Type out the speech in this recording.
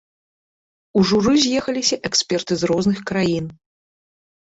У журы з'ехаліся эксперты з розных краін.